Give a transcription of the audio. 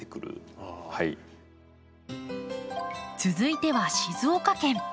続いては静岡県。